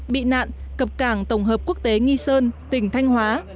bị nạn cập cảng tổng hợp quốc tế nghi sơn tỉnh thanh hóa